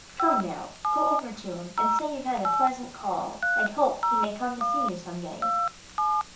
Come now, go over to him and say you've had a pleasant call, and hope he may come to see you some day."